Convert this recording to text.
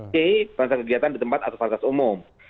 c perasaan kegiatan di tempat atau perasaan umum